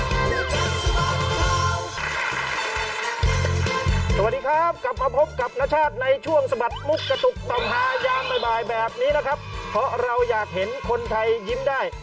สวัสดีครับกลับมาพบกับนชาติในช่วงสะบัดมุกกระตุกต่อมหายามบ่ายแบบนี้นะครับเพราะเราอยากเห็นคนไทยยิ้มได้